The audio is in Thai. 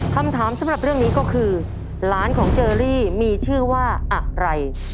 คำถามสำหรับเรื่องนี้ก็คือหลานของเจอรี่มีชื่อว่าอะไร